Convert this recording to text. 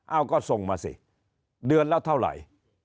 เอาก็ส่งมาสิเดือนละเท่าไหร่